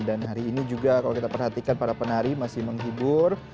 dan hari ini juga kalau kita perhatikan para penari masih menghibur